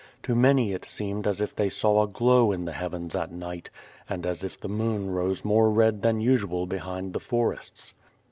To many it seemed as if they saw a glow in the heavens at night, and as if the moon rose more red than usual behind the forests.